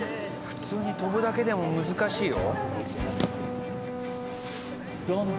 「普通に跳ぶだけでも難しいよ」